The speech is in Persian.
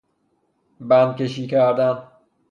بندکشی کردن